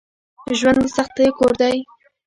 ژوند دسختیو کور دی